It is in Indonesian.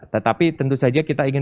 tetapi tentu saja kita ingin